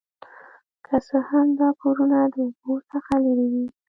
که څه هم دا کورونه د اوبو څخه لرې وي